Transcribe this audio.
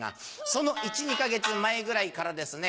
その１２か月前ぐらいからですね